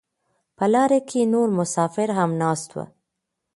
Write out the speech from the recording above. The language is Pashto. په لاره کې نور مسافر هم ناست وو.